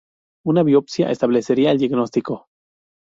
Una biopsia establecería el diagnóstico.